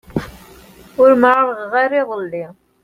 Ur merrɣeɣ ara iḍelli.